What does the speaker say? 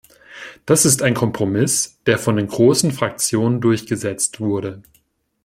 Das ist ein Kompromiss, der von den großen Fraktionen durchgesetzt wurde.